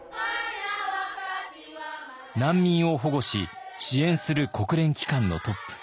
難民を保護し支援する国連機関のトップ